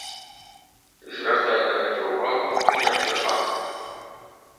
Звяртаю на гэта ўвагу як на факт.